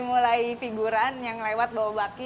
mulai figuran yang lewat bawabaki